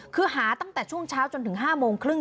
คือหาตั้งแต่ช่วงเช้าจนถึง๕โมงครึ่ง